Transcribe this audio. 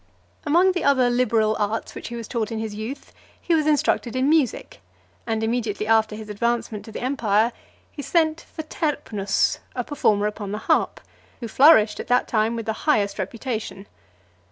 XX. Among the other liberal arts which he was taught in his youth, he was instructed in music; and immediately after (350) his advancement to the empire, he sent for Terpnus, a performer upon the harp , who flourished at that time with the highest reputation.